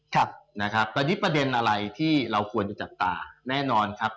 ตอนนี้ประเด็นอะไรที่เราควรจะจัดตาแน่นอนครับ